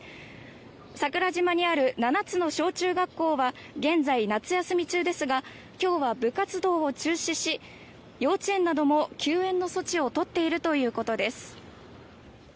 桜島にある７つの小中学校は現在、夏休み中ですが今日は部活動を中止し幼稚園なども休園の措置を取っているということです。